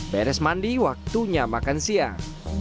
beres mandi waktunya makan siang